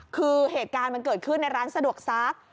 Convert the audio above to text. คือเหตุการณ์มันเกิดขึ้นในร้านสะดวกซัก